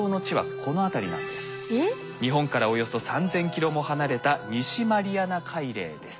日本からおよそ３，０００キロも離れた西マリアナ海嶺です。